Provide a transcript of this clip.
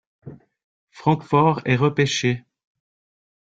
Francfort est repêché.